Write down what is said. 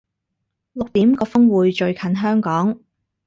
六點個風會最近香港